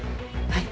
はい。